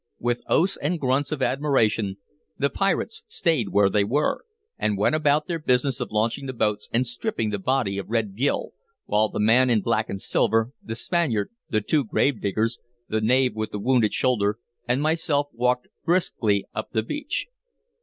With oaths and grunts of admiration the pirates stayed where they were, and went about their business of launching the boats and stripping the body of Red Gil, while the man in black and silver, the Spaniard, the two gravediggers, the knave with the wounded shoulder, and myself walked briskly up the beach.